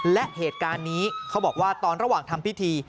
และเหตุการณ์นี้เขาบอกว่าตอนระหว่างทำพิธี